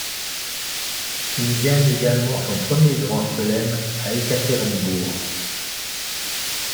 Il gagne également son premier grand chelem à Ekaterinbourg.